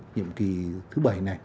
nhiệm kỳ thứ ba